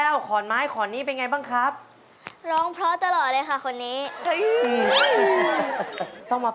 เปรียบกับพี่เป็นแค่ขอนไม้